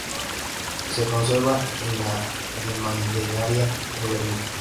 Se conserva en la Gemäldegalerie de Berlín.